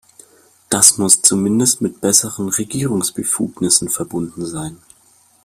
Das muss zumindest mit besseren Regulierungsbefugnissen verbunden sein.